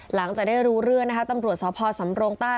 หลังจากได้รู้เรื่องนะคะตำรวจสพสำโรงใต้